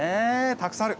たくさんある！